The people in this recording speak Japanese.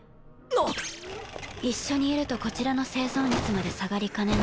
なっ⁉一緒にいるとこちらの生存率まで下がりかねないので。